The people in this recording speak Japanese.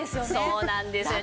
そうなんですよね。